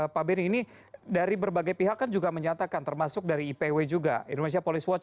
pak benny ini dari berbagai pihak kan juga menyatakan termasuk dari ipw juga indonesia police watch